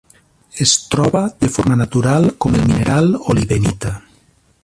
Es troba de forma natural com el mineral olivenita.